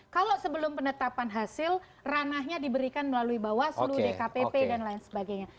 kalau sebelum penetapan hasil ranahnya diberikan melalui bawaslu dkpp dan lain sebagainya